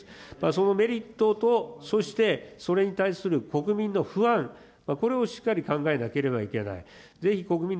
そのメリットと、そしてそれに対する国民の不安、これをしっかり考えなければいけない。